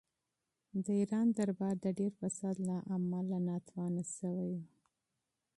د ایران دربار د ډېر فساد له امله کمزوری شوی و.